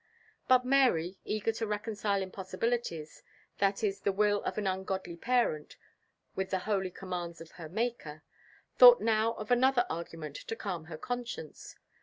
But Mary, eager to reconcile impossibilities viz. the will of an ungodly parent with the holy commands of her Maker thought now of another argument to calm her conscience.